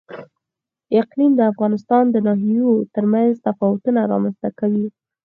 اقلیم د افغانستان د ناحیو ترمنځ تفاوتونه رامنځ ته کوي.